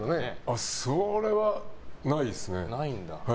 それはないですね。